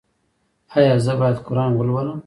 ایا زه باید قرآن ولولم؟